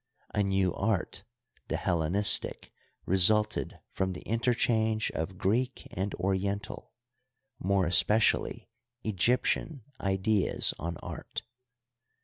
A new art, the Hellenistic, resulted from the in terchange of Greek and Oriental — more especially Egyp tian — ideas on art.